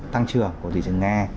tăng trưởng của thị trường nga